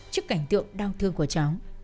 trước cảnh tượng đau thương của cháu